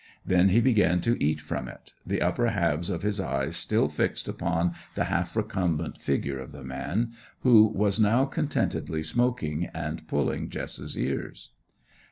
Then he began to eat from it, the upper halves of his eyes still fixed upon the half recumbent figure of the man, who was now contentedly smoking and pulling Jess's ears.